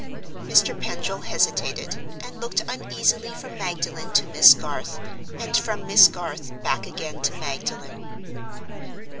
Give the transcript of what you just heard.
Mr. Pendril hesitated, and looked uneasily from Magdalen to Miss Garth, and from Miss Garth back again to Magdalen.